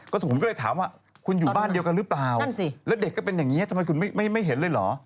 ผมก็เลยถามว่าคุณอยู่บ้านเดียวกันหรือเปล่าแล้วเด็กก็เป็นอย่างนี้ทำไมคุณไม่เห็นเลยเหรอ